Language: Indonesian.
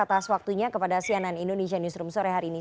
atas waktunya kepada cnn indonesia newsroom sore hari ini